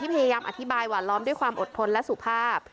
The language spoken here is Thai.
พยายามอธิบายหวานล้อมด้วยความอดทนและสุภาพ